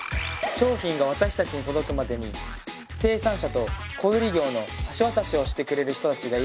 商品が私たちに届くまでに生産者と小売業の橋渡しをしてくれる人たちがいるんだって。